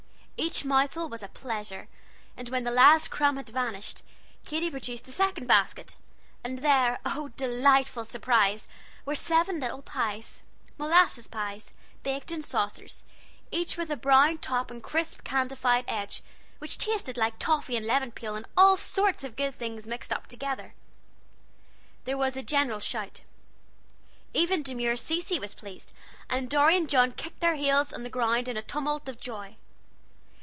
Each mouthful was a pleasure; and when the last crumb had vanished, Katy produced the second basket, and there, oh, delightful surprise! were seven little pies molasses pies, baked in saucers each with a brown top and crisp candified edge, which tasted like toffy and lemon peel, and all sorts of good things mixed up together. There was a general shout. Even demure Cecy was pleased, and Dorry and John kicked their heels on the ground in a tumult of joy.